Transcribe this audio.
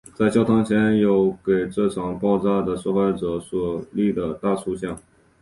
在教堂前有给这场爆炸的受害者所立的大塑像。